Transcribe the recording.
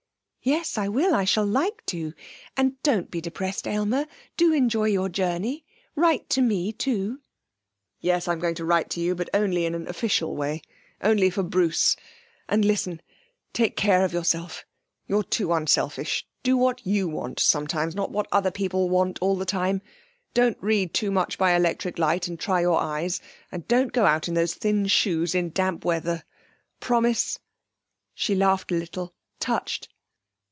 'Yes, I will; I shall like to. And don't be depressed, Aylmer. Do enjoy your journey; write to me, too.' 'Yes, I'm going to write to you, but only in an official way, only for Bruce. And, listen. Take care of yourself. You're too unselfish. Do what you want sometimes, not what other people want all the time. Don't read too much by electric light and try your eyes. And don't go out in these thin shoes in damp weather promise!' She laughed a little touched.